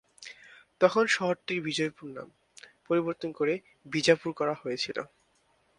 তখন শহরটির বিজয়পুর নাম পরিবর্তন করে বিজাপুর করা হয়েছিল।